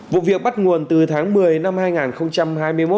vụ việc bắt nguồn từ tháng một mươi năm hai nghìn hai mươi một